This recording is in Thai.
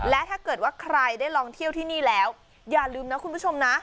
และถ้าเกิดว่าใครได้ลองเที่ยวที่นี่แล้วอย่าลืมนะคุณผู้ชมนะ